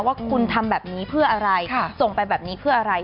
ว่าคุณทำแบบนี้เพื่ออะไรส่งไปแบบนี้เพื่ออะไร